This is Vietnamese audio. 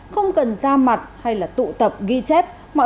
không cần ra mặt hay là tụ tập ghi chép mọi